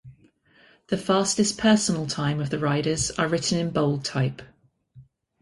The fastest personal time of the riders are written in bold type.